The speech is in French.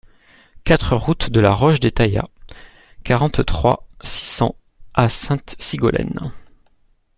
quatre route de la Roche des Taillas, quarante-trois, six cents à Sainte-Sigolène